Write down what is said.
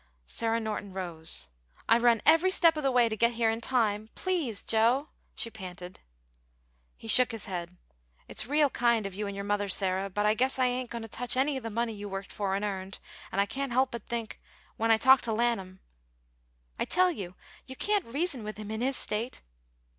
Sarah Norton rose. "I run every step of the way to get here in time. Please, Joe!" she panted. He shook his head. "It's real kind of you and your mother, Sarah, but I guess I ain't going to touch any of the money you worked for and earned, and I can't help but think, when I talk to Lanham " "I tell you, you can't reason with him in his state!"